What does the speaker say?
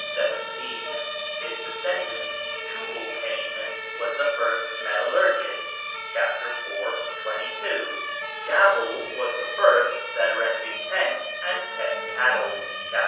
17); his descendant, Tubal cain, was the first metallurgist (chap. iv., 22); Jabal was the first that erected tents and kept cattle (chap.